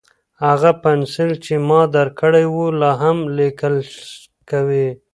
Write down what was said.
هغه پنسل چې ما درکړی و، لا هم لیکل کوي؟